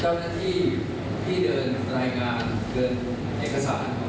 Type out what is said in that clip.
เจ้าหน้าที่ที่เดินรายงานเดินเอกสาร